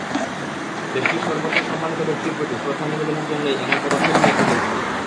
দেশটির সর্বোচ্চ সম্মানিত ব্যক্তির প্রতি শ্রদ্ধা নিবেদনের জন্যই এমন পদক্ষেপ নিয়েছে ফেসবুক।